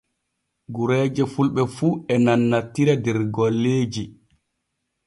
Gureeje fulɓe fu e nannantira der golleeji.